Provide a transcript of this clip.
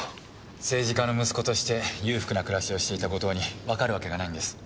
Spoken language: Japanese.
政治家の息子として裕福な暮らしをしていた後藤にわかるわけがないんです。